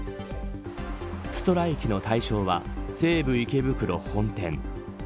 ストライキの対象は西武池袋本店。